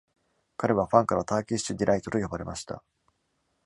彼はファンから「ターキッシュディライト」と呼ばれました。